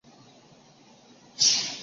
芳香白珠为杜鹃花科白珠树属的植物。